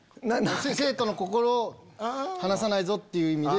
生徒の心を離さないぞっていう意味で。